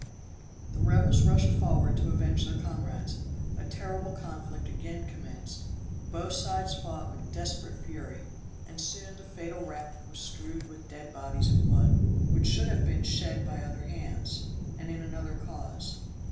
The rebels rushed forward to avenge their comrades; a terrible conflict again commenced; both sides fought with desperate fury; and soon the fatal raft was strewed with dead bodies and blood, which should have been shed by other hands, and in another cause.